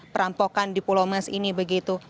pokokan diplomas ini begitu